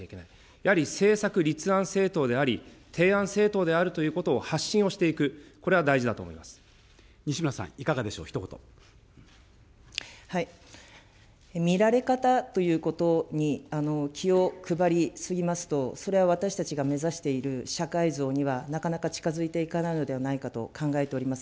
やはり政策立案政党であり、提案政党であるということを発信をし西村さん、いかがでしょう、見られ方ということに気を配り過ぎますと、それは私たちが目指している社会像にはなかなか近づいていかないのではないかと考えております。